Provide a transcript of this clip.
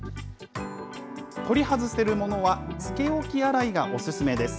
取り外せるものは、つけ置き洗いがおすすめです。